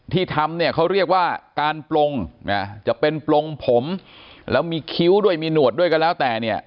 ที่ทำเนี่ยเขาเรียกว่าการปลงนะจะเป็นปลงผมแล้วมีคิ้วด้วยมีหนวดด้วยก็แล้วแต่เนี่ย